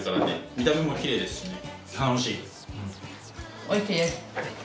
見た目もきれいですしね楽しい。